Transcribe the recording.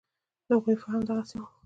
د هغوی فهم دغسې و.